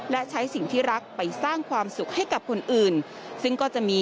และใช้สิ่งที่รักไปสร้างความสุขให้กับคนอื่น